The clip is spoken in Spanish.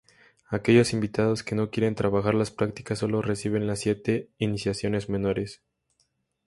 Aquellos invitados que no quieren trabajar las prácticas solo reciben las siete iniciaciones menores.